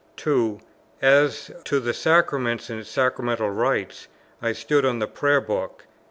(2) As to the Sacraments and Sacramental rites, I stood on the Prayer Book.